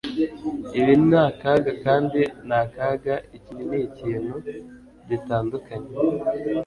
Ibi ni akaga kandi ni akaga Iki nikintu gitandukanye